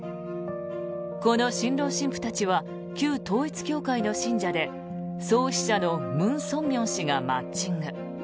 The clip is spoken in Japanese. この新郎新婦たちは旧統一教会の信者で創始者のムン・ソンミョン氏がマッチング。